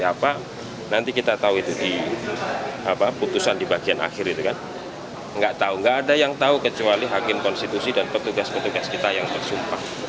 ia pun menegaskan isu putusan sudah bocor karena tidak ada yang tahu kapan rph selesai kecuali para hakim